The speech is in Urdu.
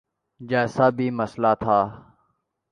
جیسا بھی مسئلہ تھا۔